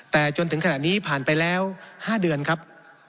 แต่จนถึงขณะนี้ผ่านไปแล้ว๕เดือนครับ